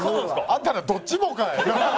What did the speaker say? あんたらどっちもかい！